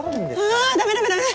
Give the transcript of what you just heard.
あぁダメダメダメ。